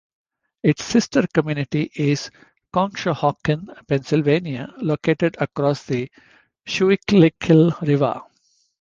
Its sister community is Conshohocken, Pennsylvania, located across the Schuylkill River.